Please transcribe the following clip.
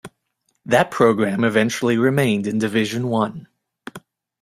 That program eventually remained in Division One.